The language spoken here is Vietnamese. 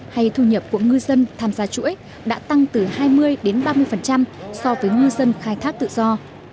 hay thu nhập của ngư dân tham gia chuỗi đã tăng từ hai mươi đến ba mươi so với ngư dân khai thác tự do